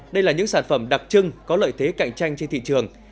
đây là những sản phẩm đặc trưng có lợi thế cạnh tranh trên thị trường